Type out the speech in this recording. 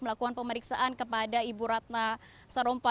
melakukan pemeriksaan kepada ibu ratna sarumpait